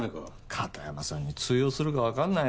片山さんに通用するかわかんないよ。